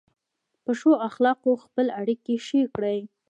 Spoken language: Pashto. په ښو اخلاقو خپلې اړیکې ښې کړئ.